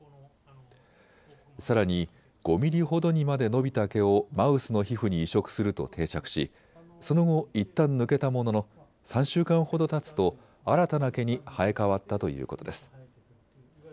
さらに５ミリほどにまで伸びた毛をマウスの皮膚に移植すると定着し、その後いったん抜けたものの３週間ほどたつと新たな毛に生え替わったということです。